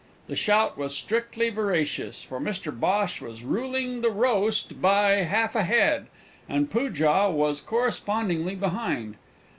The shout was strictly veracious, for Mr Bhosh was ruling the roast by half a head, and Poojah was correspondingly behind.